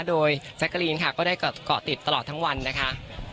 โดยแจ๊กกะลีนค่ะก็ได้เกาะติดตลอดทั้งวันนะคะ